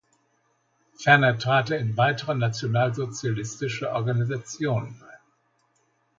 Ferner trat er in weitere nationalsozialistische Organisationen ein.